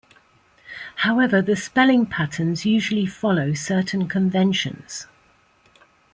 However, the spelling patterns usually follow certain conventions.